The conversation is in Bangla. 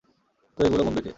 তো এগুলো গুণবে কে?